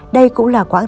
đây cũng là quãng